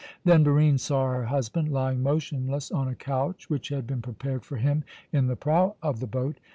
Then Barine saw her husband lying motionless on a couch which had been prepared for him in the prow of the boat.